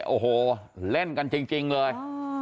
โอ้โฮกลัวเองแล้วกันจริงเลย